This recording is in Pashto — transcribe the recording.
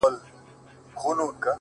زما د ښار ځوان،